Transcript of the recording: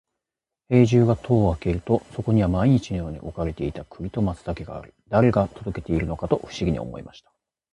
兵十が戸を開けると、そこには毎日のように置かれていた栗と松茸があり、誰が届けているのかと不思議に思いました。